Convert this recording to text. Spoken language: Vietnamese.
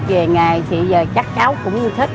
về nghề thì giờ cháu cũng thích